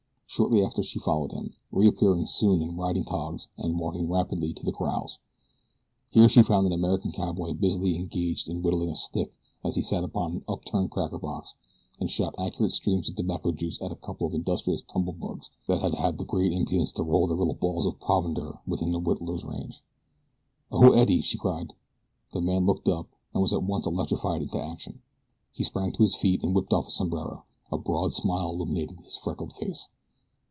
Shortly after she followed him, reappearing soon in riding togs and walking rapidly to the corrals. Here she found an American cowboy busily engaged in whittling a stick as he sat upon an upturned cracker box and shot accurate streams of tobacco juice at a couple of industrious tumble bugs that had had the great impudence to roll their little ball of provender within the whittler's range. "O Eddie!" she cried. The man looked up, and was at once electrified into action. He sprang to his feet and whipped off his sombrero. A broad smile illumined his freckled face.